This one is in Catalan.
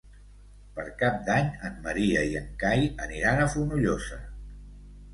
Per Cap d'Any en Maria i en Cai aniran a Fonollosa.